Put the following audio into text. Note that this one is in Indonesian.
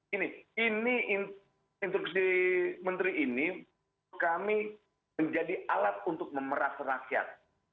gini ini instruksi menteri ini kami menjadi alat untuk memeras rakyat